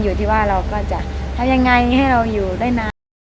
ทุกวันทุกวัน